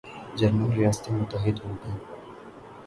German ریاستیں متحد ہوگئیں